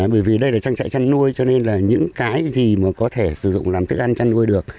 bởi vì đây là trang trại chăn nuôi cho nên là những cái gì mà có thể sử dụng làm thức ăn chăn nuôi được